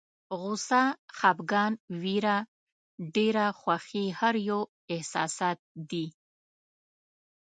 غوسه، خپګان، ویره، ډېره خوښي هر یو احساسات دي.